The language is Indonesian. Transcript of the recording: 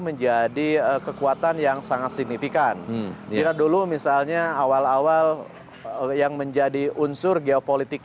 menjadi kekuatan yang sangat signifikan bila dulu misalnya awal awal yang menjadi unsur geopolitik